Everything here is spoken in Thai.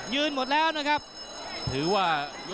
โดนท่องมีอาการ